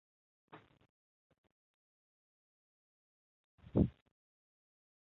乾隆十二年因年老患病致仕。